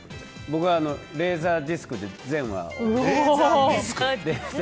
僕はレーザーディスクで全話。